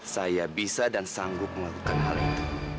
saya bisa dan sanggup melakukan hal itu